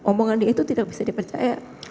omongan itu tidak bisa dipercaya